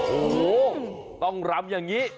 โอ้โหต้องรำอย่างนี้